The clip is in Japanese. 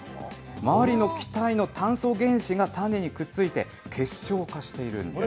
周りの気体の炭素原子が種にくっついて、結晶化しているんです。